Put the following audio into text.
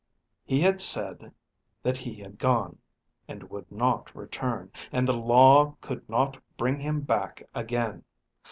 He had said that he had gone, and would not return, and the law could not bring him back again.